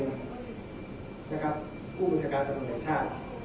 ผู้บริษัการสำหรัฐชาติ